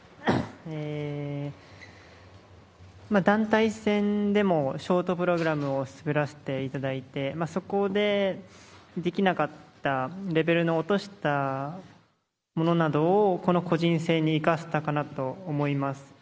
団体戦でも、ショートプログラムを滑らせていただいて、そこでできなかったレベルの落としたものなどを、この個人戦に生かせたかなと思います。